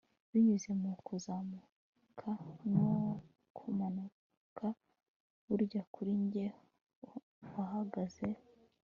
binyuze mu kuzamuka no kumanuka, burya kuri njye wahagaze